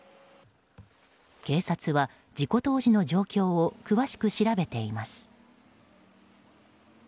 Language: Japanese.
警察は、事故当時の状況を詳しく調べています。